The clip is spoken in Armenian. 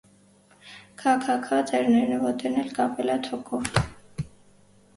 Քա՛, քա՛, քա, ձեռներն ու ոտներն էլ կապել ա թոկով…